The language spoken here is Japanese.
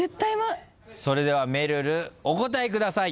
それではめるるお答えください。